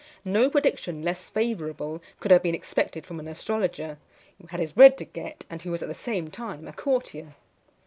No prediction less favourable could have been expected from an astrologer, who had his bread to get, and who was at the same time a courtier.